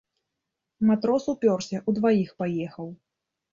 Матрос упёрся, удваіх паехаў.